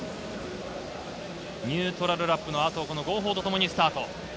ニュートラルラップの後、この号砲とともにスタート。